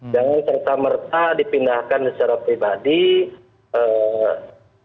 jangan serta merta dipindahkan secara pribadi